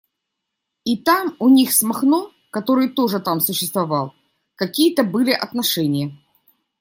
И там у них с Махно, который тоже там существовал, какие-то были отношения.